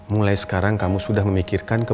mulai sekarang kamu sudah mampu berhenti di pt aldebaran